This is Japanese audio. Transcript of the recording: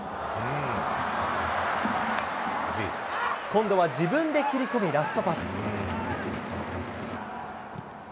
今度は自分で切り込みラストパス。